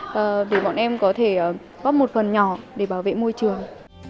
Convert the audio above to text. và vì bọn em có thể góp một phần nhỏ để bảo vệ môi trường